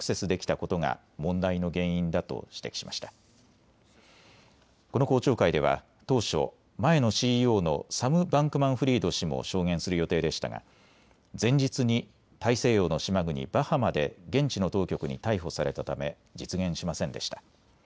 この公聴会では当初、前のＣＥＯのサム・バンクマンフリード氏も証言する予定でしたが前日に大西洋の島国バハマで現地の当局に逮捕されたため実現しませんでした。